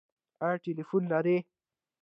ایا ټیلیفون لرئ؟